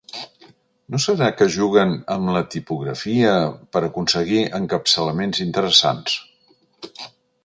No serà que juguen amb la tipografia per aconseguir encapçalaments interessants?